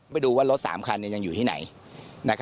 ไปดูว่ารถ๓คันยังอยู่ที่ไหน